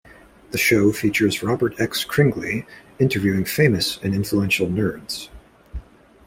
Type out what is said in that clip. The show features Robert X. Cringely interviewing famous and influential nerds.